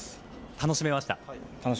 楽しめました。